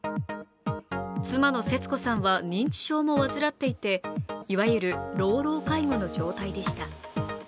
妻の節子さんは認知症も患っていて、いわゆる老老介護の状態でした。